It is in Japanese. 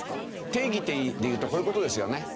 定義でいうとこういう事ですよね。